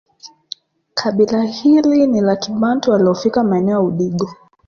Kabila hili ni la kibantu waliofika maeneo ya Udigo